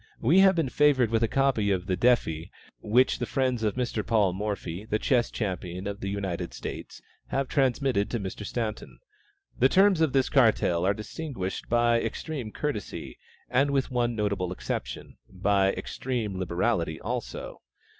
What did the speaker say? We have been favored with a copy of the defi which the friends of Mr. Paul Morphy, the chess champion of the United States, have transmitted to Mr. Staunton. The terms of this cartel are distinguished by extreme courtesy, and with one notable exception, by extreme liberality also.